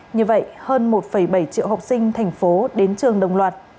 như vậy hơn một bảy triệu học sinh thành phố đến trường đồng loạt